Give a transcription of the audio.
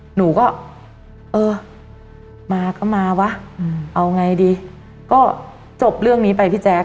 หนูก็เออมาก็มาวะเอาไงดีก็จบเรื่องนี้ไปพี่แจ๊ค